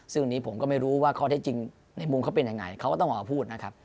ซึ่งวันนี้ผมก็ไม่รู้ว่าข้อได้จริงในมุมเขาเป็นยังไงเขาก็ต้องออกมาพูดนะครับ